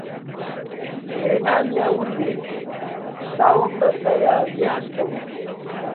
هێنامیە ورمێ، چاوم بە سەیادیان کەوت